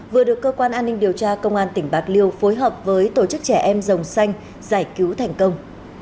vừa được cơ quan an ninh điều tra công an tỉnh bạc liêu phối hợp với tổ chức trẻ em dòng xanh giải cứu thành công